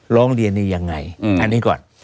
ร้องเรียนนี้ยังไงอันนี้ก่อน